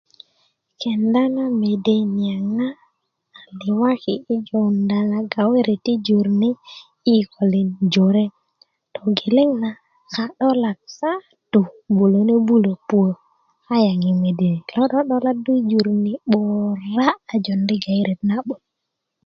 kenda na mede niyaŋ na a liwaki yi jonda na gayiret yi jur ni yi kikolin jore togeleŋ na ka'dolak zadu bulöne bulö puwö kayaŋ medeni lo 'do'doladdu yi jur ni 'bura a jondi' gaeret na'but